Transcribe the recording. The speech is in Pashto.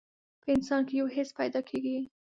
په انسان کې يو حس پيدا کېږي.